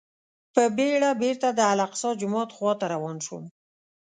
په بېړه بېرته د الاقصی جومات خواته روان شوم.